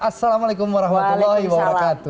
assalamualaikum warahmatullahi wabarakatuh